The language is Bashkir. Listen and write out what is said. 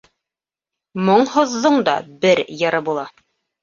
Моңһоҙҙоң да бер йыры була.